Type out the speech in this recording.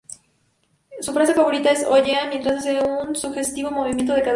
Su frase favorita es "oh, yeah" mientras hace un sugestivo movimiento de caderas.